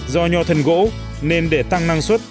do nhò thần gỗ nên để tăng năng suất